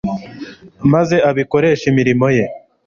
maze abikoreshe imirimo ye